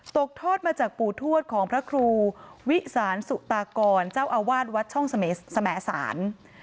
ตกทอดมาจากปู่ทวดของพระครูวิสานสุตากรเจ้าอาวาสวัดช่องสมสาร